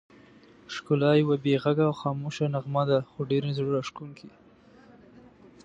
ښکلا یوه بې غږه او خاموشه نغمه ده، خو ډېره زړه راښکونکې.